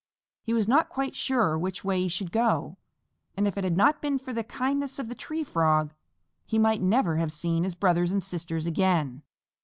He was not quite sure which way he should go, and if it had not been for the kindness of the Tree Frog he might never have seen his brothers and sisters again.